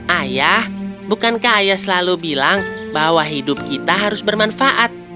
ayah bukankah ayah selalu bilang bahwa hidup kita harus bermanfaat